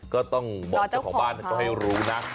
ก็ต้องบอกเจ้าของบ้านให้รู้นะ